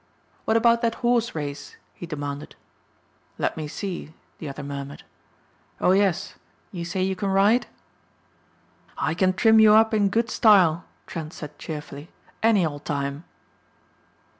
"What about that horse race?" he demanded. "Let me see," the other murmured. "Oh yes, you say you can ride?" "I can trim you up in good style," Trent said cheerfully, "any old time."